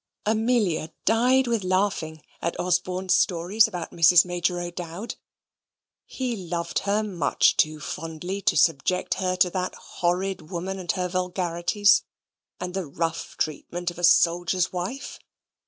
Amelia died with laughing at Osborne's stories about Mrs. Major O'Dowd. He loved her much too fondly to subject her to that horrid woman and her vulgarities, and the rough treatment of a soldier's wife.